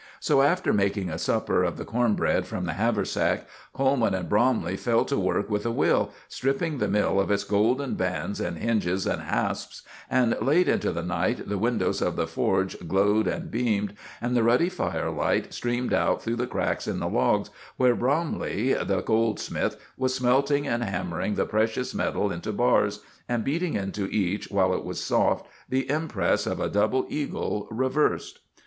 So, after making a supper of the corn bread from the haversack, Coleman and Bromley fell to work with a will, stripping the mill of its golden bands and hinges and hasps; and late into the night the windows of the forge glowed and beamed, and the ruddy firelight streamed out through the cracks in the logs, where Bromley, the goldsmith, was smelting and hammering the precious metal into bars, and beating into each, while it was soft, the impress of a double eagle, reversed.